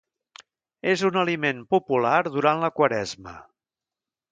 És un aliment popular durant la Quaresma.